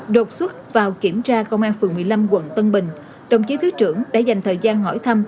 đột xuất vào kiểm tra công an phường một mươi năm quận tân bình đồng chí thứ trưởng đã dành thời gian hỏi thăm